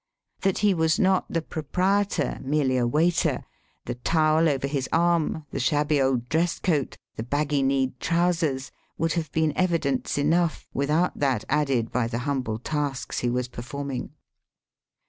That he was not the proprietor, merely a waiter, the towel over his arm, the shabby old dress coat, the baggy kneed trousers would have been evidence enough without that added by the humble tasks he was performing.